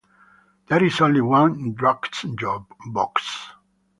There is only one, "drJukeBox"!